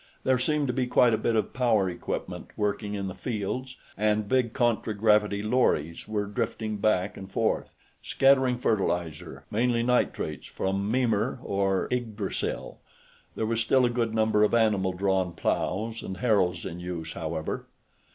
There seemed to be quite a bit of power equipment working in the fields, and big contragravity lorries were drifting back and forth, scattering fertilizer, mainly nitrates from Mimir or Yggdrasill. There were still a good number of animal drawn plows and harrows in use, however.